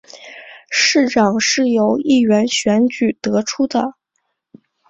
市长是由议员选举得出的。